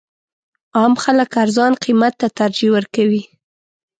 عام خلک ارزان قیمت ته ترجیح ورکوي.